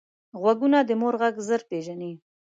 غوږونه د مور غږ ژر پېژني